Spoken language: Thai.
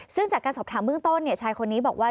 ซึ่งจากการสอบถามเบื้องต้นชายคนนี้บอกว่า